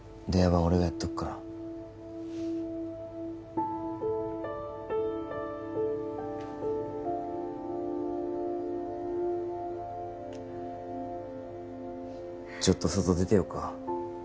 俺がやっとくからちょっと外出てようか？